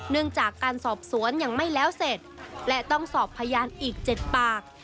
จากการสอบสวนยังไม่แล้วเสร็จและต้องสอบพยานอีก๗ปาก